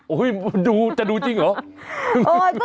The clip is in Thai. โอ้โหดูจะดูจริงเหรอ